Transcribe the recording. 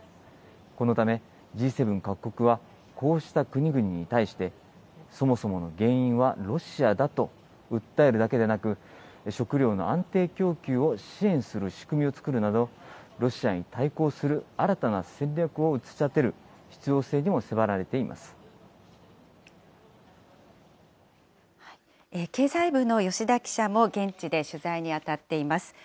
このためＧ７各国は、こうした国々に対して、そもそもの原因はロシアだと訴えるだけでなく、食料の安定供給を支援する仕組みを作るなど、ロシアに対抗する新たな戦略を打ち立てる必要性にも迫られていま経済部の吉田記者も現地で取材に当たっています。